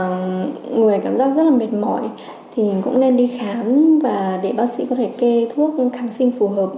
người cảm giác rất mệt mỏi thì cũng nên đi khám để bác sĩ có thể kê thuốc kháng sinh phù hợp